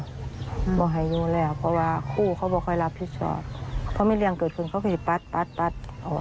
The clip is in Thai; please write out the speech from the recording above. บอกให้อยู่แล้วเพราะว่าคู่เขาบอกให้รับผิดชอบเพราะมีเรื่องเกิดขึ้นเขาก็จะปัดปัดปัด